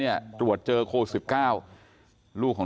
พี่สาวอายุ๗ขวบก็ดูแลน้องดีเหลือเกิน